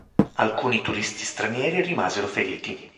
Alcuni turisti stranieri rimasero feriti.